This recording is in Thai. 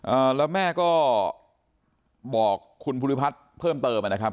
อ่าแล้วแม่ก็บอกคุณภูริพัฒน์เพิ่มเติมอ่ะนะครับ